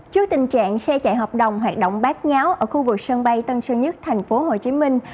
trước tình trạng xe chạy hợp đồng hoạt động bác nháo ở khu vực sân bay tân sơn nhất thành phố hồ chí minh